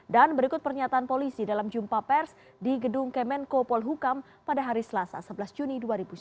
dan berikut pernyataan polisi dalam jumpa pers di gedung kemenko polhukam pada hari selasa sebelas juni dua ribu sembilan belas